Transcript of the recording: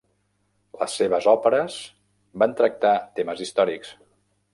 Les seves òperes van tractar temes històrics.